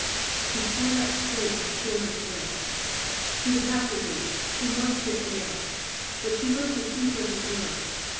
She sat up straight and cleared her throat. She would have to leave. She must get air. But she looked to see where they were.